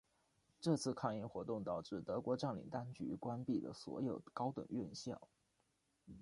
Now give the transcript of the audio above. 这次抗议活动导致德国占领当局关闭了所有高等院校。